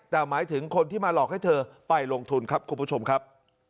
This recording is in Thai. แต่หมายถึงคนที่มาหลอกให้เธอไปลงทุนครับคุณผู้ชมครับ